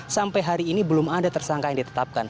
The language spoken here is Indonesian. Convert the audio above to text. sampai hari ini belum ada tersangka yang ditetapkan